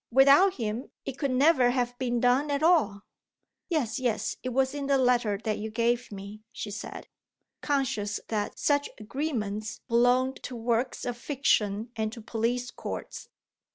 Without him it could never have been done at all." "Yes yes it was in the letter that you gave me," she said, conscious that such agreements belonged to works of fiction and to police courts.